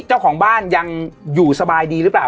เจ้าของบ้านยังอยู่สบายดีหรือเปล่า